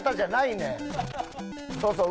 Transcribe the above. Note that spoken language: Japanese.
そうそう。